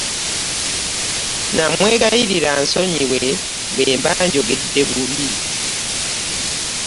Namwegayirira ansonyiwe bwe mba nayogedde bubi.